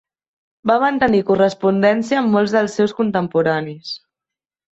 Va mantenir correspondència amb molts dels seus contemporanis.